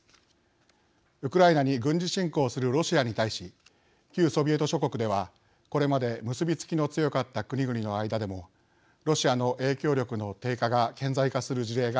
ウクライナに軍事侵攻するロシアに対し旧ソビエト諸国ではこれまで結び付きの強かった国々の間でもロシアの影響力の低下が顕在化する事例が相次いでいます。